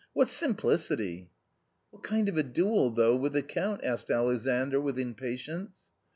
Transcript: What simplicity !"" What kind of a duel, though, with the Count ?" asked Alexandr with impatience.